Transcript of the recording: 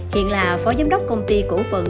hiện là phó giám đốc công ty cổ phần